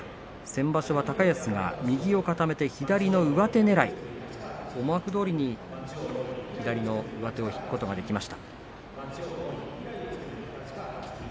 先場所は高安が右を固めて左の上手ねらい思惑どおりに左の上手を引くことができました。